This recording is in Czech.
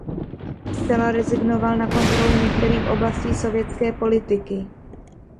Zcela rezignoval na kontrolu některých oblastí sovětské politiky.